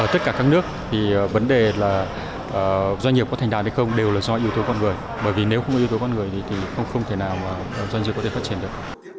doanh nghiệp có thành đạt hay không đều là do yếu tố con người bởi vì nếu không có yếu tố con người thì không thể nào doanh nghiệp có thể phát triển được